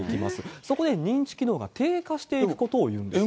そこで認知機能が低下していくことをいうんですね。